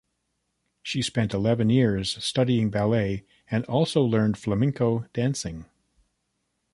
She spent eleven years studying ballet, and also learned flamenco dancing.